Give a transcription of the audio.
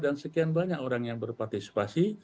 dan sekian banyak orang yang berpartisipasi